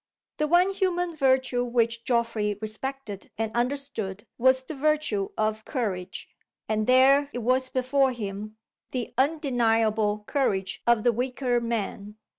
The one human virtue which Geoffrey respected and understood was the virtue of courage. And there it was before him the undeniable courage of the weaker man.